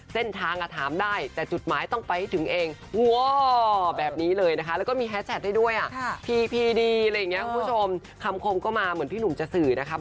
เส้นทางถามได้แต่จุดหมายต้องไปให้ถึงเอง